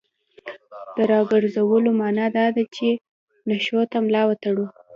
د راګرځولو معنا دا نه ده چې نښتو ته ملا وتړو.